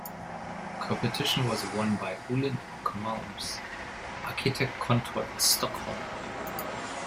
The competition was won by Uhlin och Malms Arkitektkontor in Stockholm.